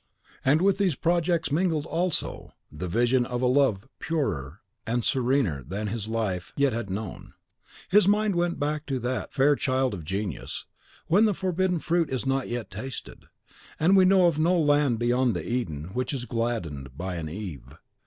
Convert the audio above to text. And with these projects mingled also the vision of a love purer and serener than his life yet had known. His mind went back into that fair childhood of genius, when the forbidden fruit is not yet tasted, and we know of no land beyond the Eden which is gladdened by an Eve.